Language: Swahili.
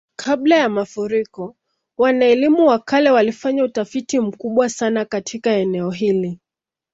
Kabla ya mafuriko, wana-elimu wa kale walifanya utafiti mkubwa sana katika eneo hili.